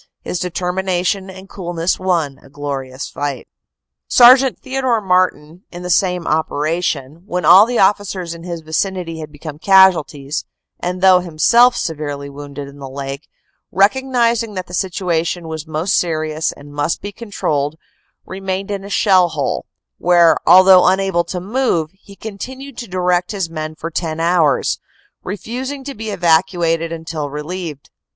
His determination and coolness won a glorious fight. Sergt. Theodore Martin, in the same operation, when all the officers in his vicinity had become casualties, and though himself severely wounded in the leg, recognizing that the situ ation was most serious and must be controlled, remained in a shell hole, where, although unable to move, he continued to direct his men for 10 hours, refusing to be evacuated until relieved.